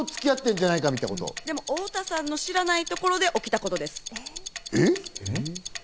太田さんの知らないところで起きたことです。